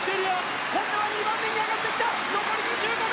本多は２番目に上がってきた。